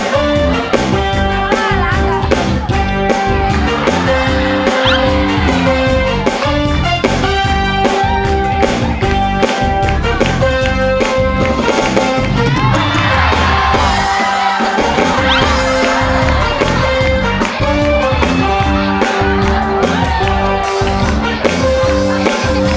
เห้ย